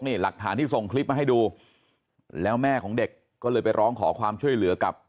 นี่หลักฐานที่ส่งคลิปมาให้ดูแล้วแม่ของเด็กก็เลยไปร้องขอความช่วยเหลือกับ